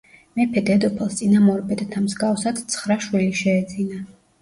მეფე-დედოფალს წინამორბედთა მსგავსად ცხრა შვილი შეეძინა.